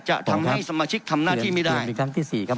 จะทำให้สมาชิกทำหน้าที่ไม่ได้เดี๋ยวมีคำที่สี่ครับครับ